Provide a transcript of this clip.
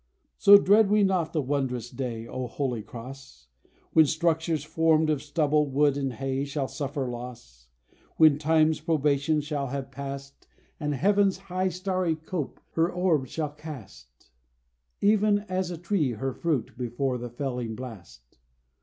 So dread we not the wondrous day, O holy Cross! When structures formed of stubble, wood, and hay, Shall suffer loss. When Time's probation shall have past, And heaven's high starry cope her orbs shall cast, Even as a tree her fruit, before the felling blast.